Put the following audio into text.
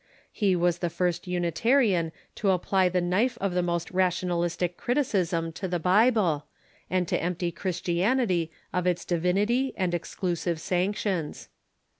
He was the first Unitarian to apply the knife of the most rationalistic criticism to the Bible, and to empty Christi anity of its divinity and exclusive sanctions.